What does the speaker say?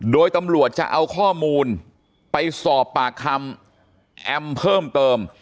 โดยตำรวจจะเอาข้อมูลไปสอบปากคำแอมเพิ่มเติม